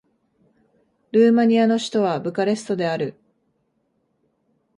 ルーマニアの首都はブカレストである